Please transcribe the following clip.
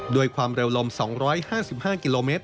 ด้วยความเร็วลม๒๕๕กิโลเมตร